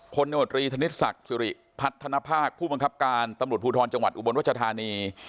โนตรีธนิษฐศักดิ์สุริพัฒนภาคผู้บังคับการตำรวจภูทรจังหวัดอุบลรัชธานี